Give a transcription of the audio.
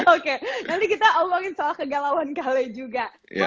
oke nanti kita omongin soal kegalauan kale juga